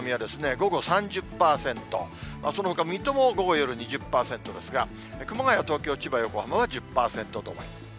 午後３０％、そのほか水戸も午後、夜２０％ですが、熊谷、東京、千葉、横浜は１０％止まり。